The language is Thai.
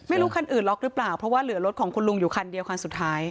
คันอื่นล็อกหรือเปล่าเพราะว่าเหลือรถของคุณลุงอยู่คันเดียวคันสุดท้าย